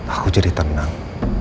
aku jadi tenang